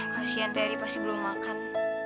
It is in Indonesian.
kasian teri pasti belum makan